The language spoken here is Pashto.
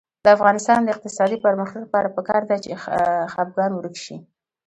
د افغانستان د اقتصادي پرمختګ لپاره پکار ده چې خپګان ورک شي.